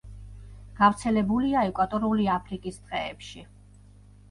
გავრცელებულია ეკვატორული აფრიკის ტყეებში.